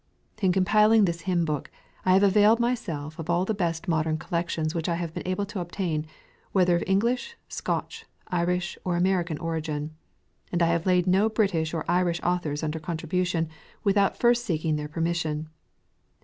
In compiling this hymn book, I have availed myself of all the best modern collections which I have been able to obtain, whether of English, Scot ch, Irish, or American origin; and I have laid no British or Irish authors under contribution without first seeking their permission.